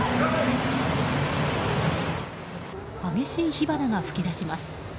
激しい火花が噴き出します。